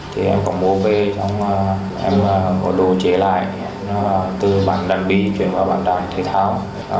thì em có mua về em có đồ chế lại từ bản đàn bì chuyển vào bản đàn thể thao